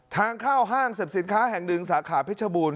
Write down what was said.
ทางเข้าห้างสรรพสินค้าแห่งหนึ่งสาขาเพชรบูรณ